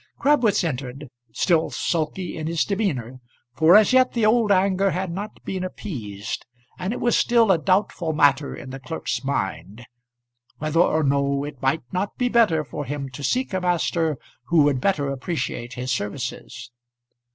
Crabwitz entered, still sulky in his demeanour, for as yet the old anger had not been appeased, and it was still a doubtful matter in the clerk's mind whether or no it might not be better for him to seek a master who would better appreciate his services.